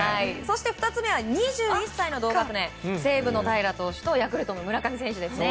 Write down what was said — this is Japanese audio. ２つ目は２１歳の同学年西武の平良投手とヤクルトの村上選手ですね。